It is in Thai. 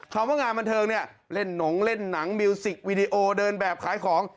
ว่างานบันเทิงเนี่ยเล่นหนงเล่นหนังมิวสิกวีดีโอเดินแบบขายของ